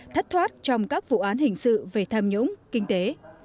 thất thoát trong các vụ án hình sự về tham nhũng kinh tế